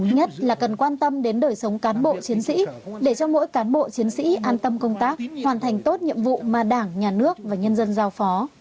nhất là cần quan tâm đến đời sống cán bộ chiến sĩ để cho mỗi cán bộ chiến sĩ an tâm công tác hoàn thành tốt nhiệm vụ mà đảng nhà nước và nhân dân giao phó